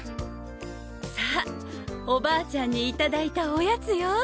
さあおばあちゃんにいただいたおやつよ。